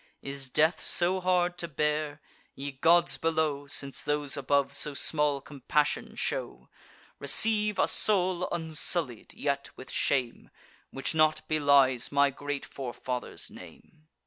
Is death so hard to bear? Ye gods below, (Since those above so small compassion show,) Receive a soul unsullied yet with shame, Which not belies my great forefather's name!"